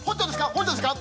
本庁ですか？